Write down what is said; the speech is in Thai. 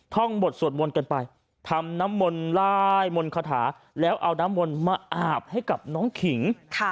ท่องบทสวดมนต์กันไปทำน้ำมนต์ไล่มนต์คาถาแล้วเอาน้ำมนต์มาอาบให้กับน้องขิง